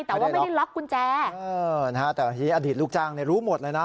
แต่ว่าไม่ได้ล็อกกุญแจนะฮะแต่ทีนี้อดีตลูกจ้างรู้หมดเลยนะ